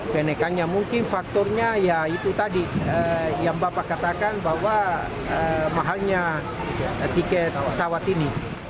pendekangnya mungkin faktornya ya itu tadi yang bapak katakan bahwa mahalnya tiket pesawat ini